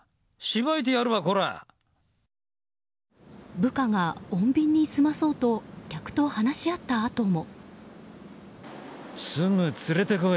部下が穏便に済まそうと客と話し合ったあとも。